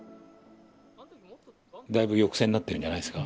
だいぶ抑制になっているんじゃないですか。